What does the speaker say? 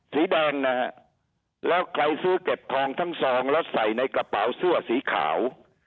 สีแดงนะฮะแล้วใครซื้อเก็บทองทั้งซองแล้วใส่ในกระเป๋าเสื้อสีขาว